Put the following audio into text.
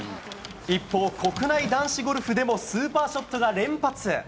一方、国内男子ゴルフでも、スーパーショットが連発。